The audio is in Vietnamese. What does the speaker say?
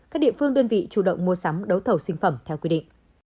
các địa phương đơn vị chủ động mua sắm đấu thầu sinh phẩm theo quy định